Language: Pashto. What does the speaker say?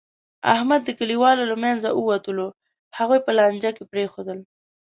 احمد د کلیوالو له منځه ووتلو، هغوی په لانجه کې پرېښودل.